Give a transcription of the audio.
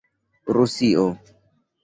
rusio